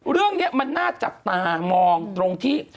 เรื่องนี้มันน่าจับตามองตรงที่